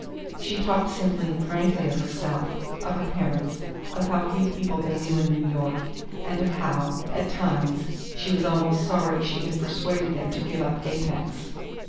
She talked simply and frankly of herself, of her parents, of how few people they knew in New York, and of how, at times, she was almost sorry she had persuaded them to give up Apex.